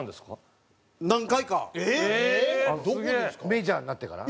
メジャーになってから？